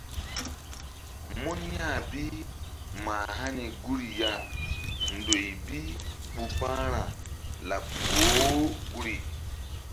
Mun ya̧h bi mah hani guri ya ndoy bi ɓu pa̧hra laɓ boh guri.